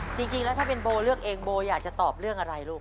จริงแล้วถ้าเป็นโบเลือกเองโบอยากจะตอบเรื่องอะไรลูก